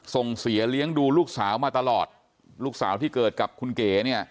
ส่งเสียเลี้ยงดูลูกสาวมาตลอดลูกสาวที่เกิดกับคุณเก๋เนี่ย